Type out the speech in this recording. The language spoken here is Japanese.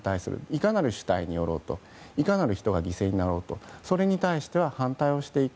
いかなる手段によろうといかなる人が犠牲になろうとそれに対しては反対をしていく。